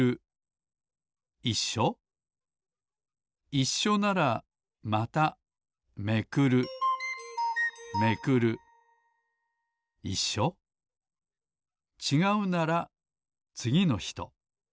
いっしょならまためくるちがうならつぎの人。